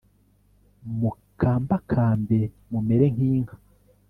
mukambakambe mumere nk'inka